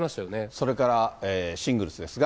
それからシングルスですが。